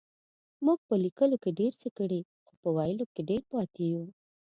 مونږ په لکيلو کې ډير څه کړي خو په ويلو کې ډير پاتې يو.